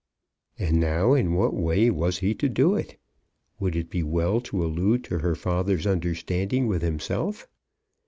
And now in what way was he to do it? Would it be well to allude to her father's understanding with himself?